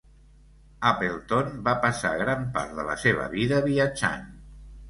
Appleton va passar gran part de la seva vida viatjant.